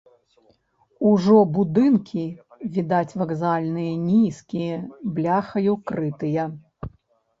Ужо будынкі відаць вакзальныя нізкія, бляхаю крытыя.